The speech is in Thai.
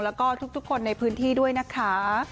แล้วก็ทุกคนในพื้นที่ด้วยนะคะ